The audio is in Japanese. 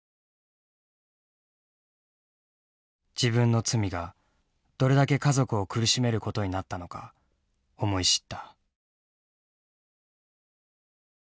自分の罪がどれだけ家族を苦しめることになったのか思い知った。